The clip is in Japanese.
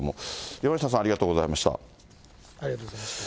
山下さんありがとうございました。